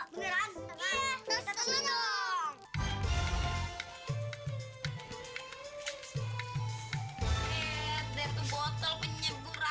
masih kelihatan aja dimana sih